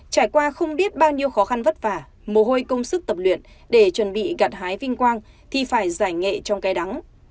trải qua không biết bao nhiêu khó khăn vất vả mồ hôi công sức tập luyện để chuẩn bị gặt hái vinh quang thì phải giải nghệ trong cái đắng